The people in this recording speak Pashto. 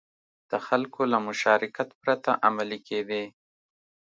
د خلکو له مشارکت پرته عملي کېدې.